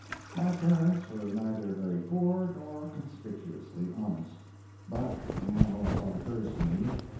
My parents were neither very poor nor conspicuously honest. But now a thought occurs to me.